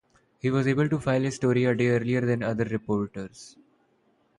He was able to file his story a day earlier than other reporters.